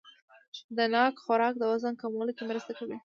د ناک خوراک د وزن کمولو کې مرسته کوي.